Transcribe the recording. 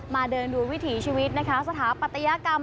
มาเดินดูวิถีชีวิตสถาปัตยกรรม